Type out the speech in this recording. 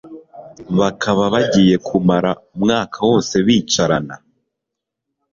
bakaba bagiye kumara umwaka wose bicarana!